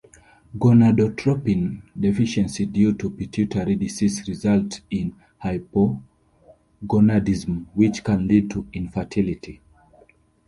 Gonadotropin deficiency due to pituitary disease results in hypogonadism, which can lead to infertility.